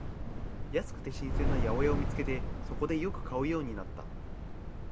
安くて新鮮な八百屋を見つけて、そこでよく買うようになった